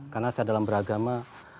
karena saya dalam beragama